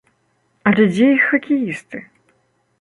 Але дзе іх хакеісты?